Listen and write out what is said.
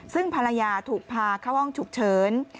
ซึ่งภรรยาถูกพาเข้าห้องฉุกเฉิน